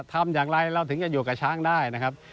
ทำอย่างไรเราถึงจะอยู่กับช้างได้นะครับ